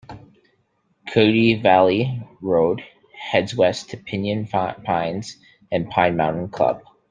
Cuddy Valley Road heads west to Pinon Pines and Pine Mountain Club.